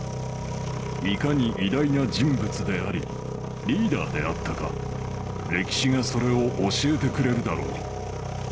いかに偉大な人物であり、リーダーであったか、歴史がそれを教え